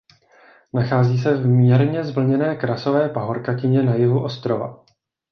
Nachází se v mírně zvlněné krasové pahorkatině na jihu ostrova.